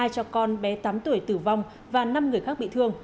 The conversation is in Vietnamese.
hai cho con bé tám tuổi tử vong và năm người khác bị thương